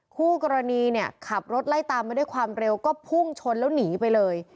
คู่กรณีเนี่ยขับรถไล่ตามมาด้วยความเร็วก็พุ่งชนแล้วหนีไปเลย